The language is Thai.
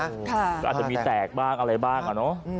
ก็อาจจะมีแตกบ้างอะไรบ้างอะเนาะ